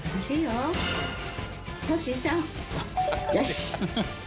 よし！